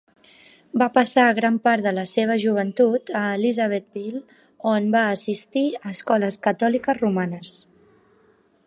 Va passar gran part de la seva joventut a Elizabethville, on va assistir a escoles catòliques romanes.